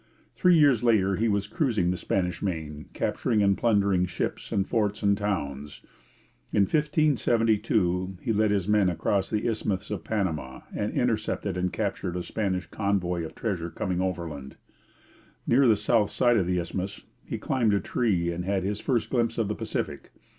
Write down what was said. Three years later he was cruising the Spanish Main, capturing and plundering ships and forts and towns. In 1572 he led his men across the Isthmus of Panama, and intercepted and captured a Spanish convoy of treasure coming overland. Near the south side of the isthmus he climbed a tree and had his first glimpse of the Pacific.